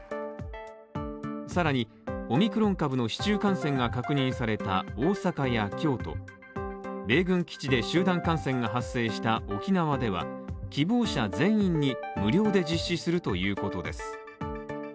さらに、オミクロン株の市中感染が確認された大阪や京都、米軍基地で集団感染が発生した沖縄では、希望者全員に無料で実施するということです。